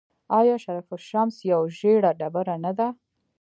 آیا شرف الشمس یوه ژیړه ډبره نه ده؟